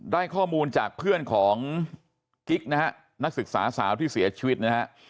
ได้ข้อมูลจากเพื่อนของกิ๊กนะฮะนักศึกษาสาวที่เสียชีวิตนะฮะ